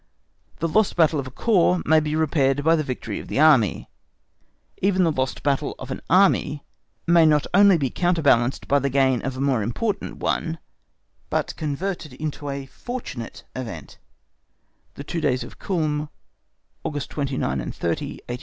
The lost battle of a corps may be repaired by the victory of the Army. Even the lost battle of an Army may not only be counterbalanced by the gain of a more important one, but converted into a fortunate event (the two days of Kulm, August 29 and 30, 1813(*)).